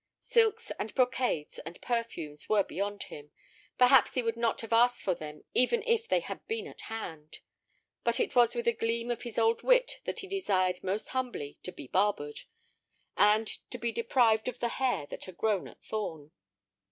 Silks and brocades and perfumes were beyond him; perhaps he would not have asked for them even if they had been at hand. But it was with a gleam of his old wit that he desired most humbly to be barbered, and to be deprived of the hair that had grown at Thorn.